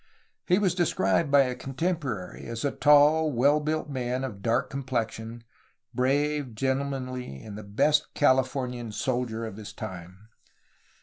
He was described by a contemporary as a tall, well built man of dark complexion, brave, gentlemanly, and the best Cali fornian soldier of his time.